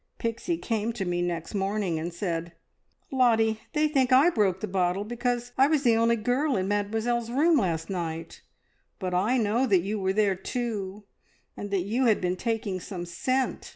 Pixie came to me next morning and said, `Lottie, they think I broke the bottle because I was the only girl in Mademoiselle's room last night; but I know that you were there too, and that you had been taking some scent!'